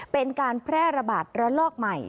เป็นการแพร่ระบาดระลอกใหม่